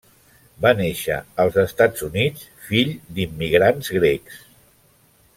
Va néixer als Estats Units, fill d'immigrants grecs.